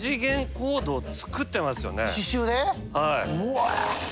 うわ！